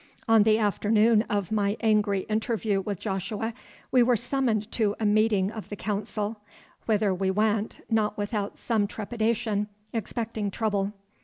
On the afternoon of my angry interview with Joshua we were summoned to a meeting of the Council, whither we went, not without some trepidation, expecting trouble.